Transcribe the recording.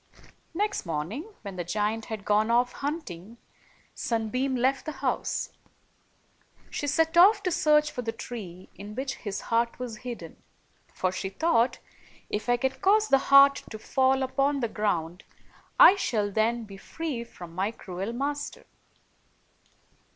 Next morning, when the giant had gone off hunting, Sunbeam left the house. She set off to search for the tree in which his heart was hid den ; for she thought, " If I can cause the heart to fall upon the ground, I shall then be free from my cruel master."